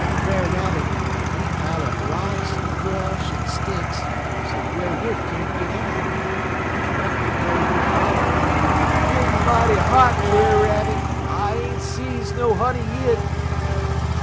Brer Rabbit, he pile up rocks, en brush, en sticks, so Brer Wolf can't git out. Terreckly Brer Wolf holler: "'Gittin' mighty hot, Brer Rabbit! I ain't see no honey yit.'